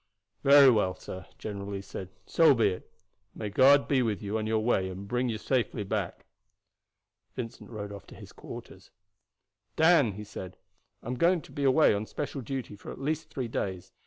"Very well, sir," General Lee said. "So be it. May God be with you on your way and bring you safely back." Vincent rode off to his quarters. "Dan," he said, "I am going away on special duty for at least three days.